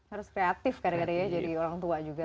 harus kreatif kadang kadang ya jadi orang tua juga